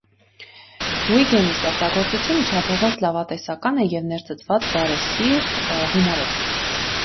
Ուիգենի ստեղծագործությունը չափազանց լավատեսական է և ներծծված բարեսիրտ հումորով։